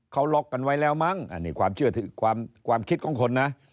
เขาล็อกกันไว้แล้วมั้งอันนี้ความเชื่อถือความคิดของคนนะ